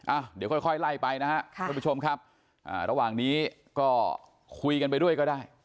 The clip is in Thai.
อ่ะเดี๋ยวค่อยค่อยไล่ไปนะฮะค่ะทุกผู้ชมครับอ่าระหว่างนี้ก็คุยกันไปด้วยก็ได้